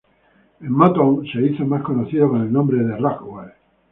En Motown se hizo más conocido con el nombre de Rockwell.